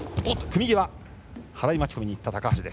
組み際に払い巻き込みにいった高橋。